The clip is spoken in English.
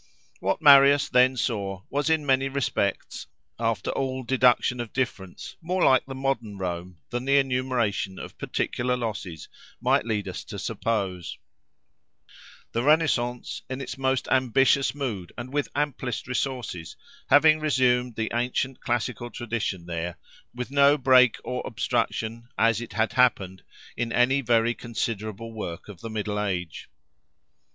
What Marius then saw was in many respects, after all deduction of difference, more like the modern Rome than the enumeration of particular losses might lead us to suppose; the Renaissance, in its most ambitious mood and with amplest resources, having resumed the ancient classical tradition there, with no break or obstruction, as it had happened, in any very considerable work of the middle age.